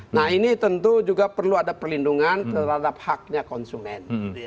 nah ini tentu juga perlu ada perlindungan terhadap haknya konsumen